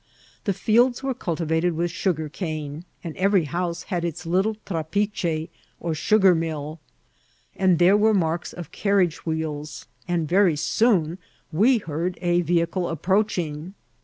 The fields were cultivated with sugarcane, and every houae had its little trapiche or sugarmill; and there were marks of carriage wheels, and very soon we heard a ve hicle i^iproaching.